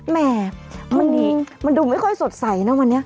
แม่มันดูไม่ค่อยสดใสนะวันนี้